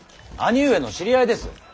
兄上の知り合いです。